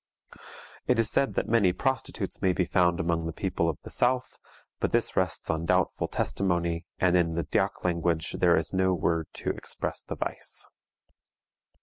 It is said that many prostitutes may be found among the people of the South, but this rests on doubtful testimony, and in the Dyak language there is no word to express the vice.